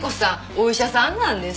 お医者さんなんです。